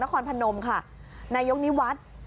คอนพนมค่ะนายกนิวัฒน์